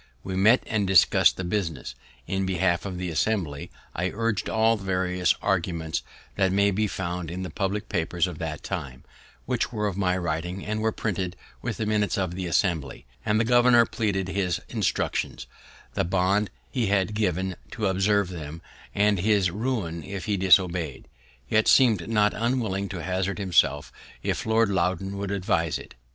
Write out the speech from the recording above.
We met and discussed the business. In behalf of the Assembly, I urged all the various arguments that may be found in the public papers of that time, which were of my writing, and are printed with the minutes of the Assembly; and the governor pleaded his instructions, the bond he had given to observe them, and his ruin if he disobey'd, yet seemed not unwilling to hazard himself if Lord Loudoun would advise it.